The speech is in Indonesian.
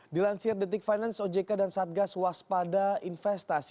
dilansir detik finance ojk dan satgas waspada investasi